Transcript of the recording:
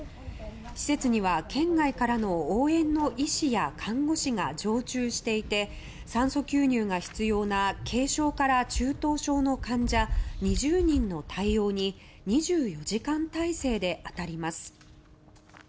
施設には県外からの応援の医師や看護師が常駐していて酸素吸入が必要な軽症から中等症の患者２０人の対応に２４時間態勢で当たります。